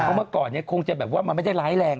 เมื่อก่อนคงจะแบบว่ามันไม่ได้ล้ายแรง